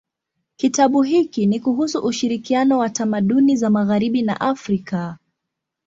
Kitabu hiki ni kuhusu ushirikiano wa tamaduni za magharibi na Afrika.